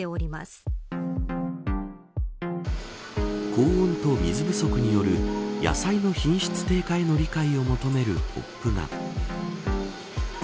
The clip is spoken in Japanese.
高温と水不足による野菜の品質低下への理解を求めるポップが。